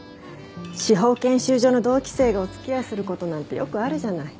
司法研修所の同期生がお付き合いする事なんてよくあるじゃない。